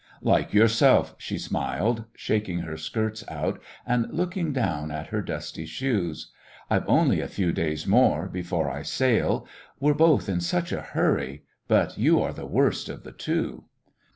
"Like yourself," she smiled, shaking her skirts out and looking down at her dusty shoes. "I've only a few days more before I sail. We're both in such a hurry, but you are the worst of the two."